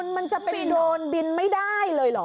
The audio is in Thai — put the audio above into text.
มันจะเป็นโรนบินไม่ได้เลยเหรอ